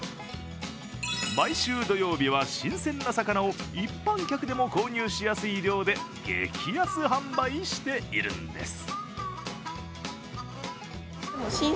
毎週土曜日は新鮮な魚を一般客でも購入しやすい量で激安販売しているんです。